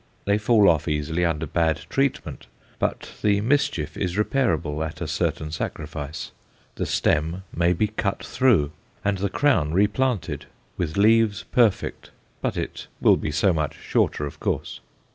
They fall off easily under bad treatment, but the mischief is reparable at a certain sacrifice. The stem may be cut through and the crown replanted, with leaves perfect; but it will be so much shorter, of course.